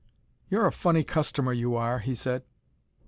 "You're a funny customer, you are," he said.